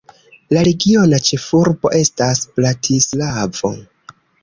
La regiona ĉefurbo estas Bratislavo.